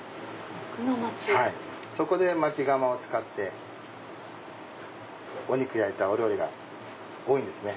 そこで薪窯を使ってお肉焼いたお料理が多いんですね。